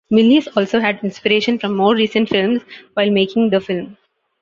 Milius also had inspiration from more recent films while making the film.